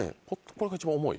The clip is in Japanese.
これが一番重い。